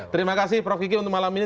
terima kasih prof kiki untuk malam ini